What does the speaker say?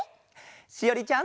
しおりちゃん。